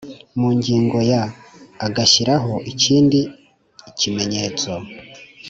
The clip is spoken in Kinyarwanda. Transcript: Mu ngingo ya agishyiraho ikindi ikimenyetso